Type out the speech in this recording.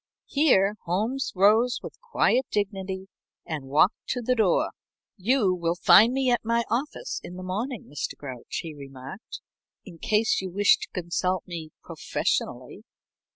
Here Holmes rose with quiet dignity and walked to the door. "You will find me at my office in the morning, Mr. Grouch." he remarked, "in case you wish to consult me professionally."